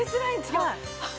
あっ